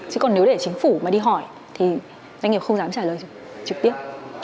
chứ còn nếu để chính phủ mà đi hỏi thì doanh nghiệp không dám trả lời trực tiếp